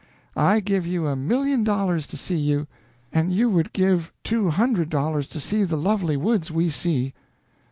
I give you a million dollars to see you, and you would give two hundred dollars to see the lovely woods we see."